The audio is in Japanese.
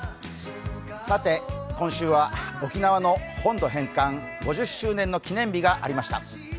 さて、今週は沖縄の本土返還５０周年の記念日がありました。